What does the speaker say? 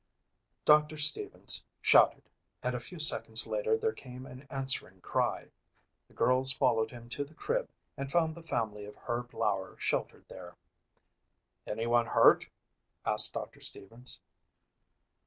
Doctor Stevens shouted and a few seconds later there came an answering cry. The girls followed him to the crib and found the family of Herb Lauer sheltered there. "Anyone hurt?" asked Doctor Stevens.